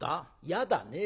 やだね。